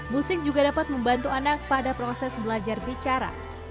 musik juga dapat membantu anak pada proses belajar bicara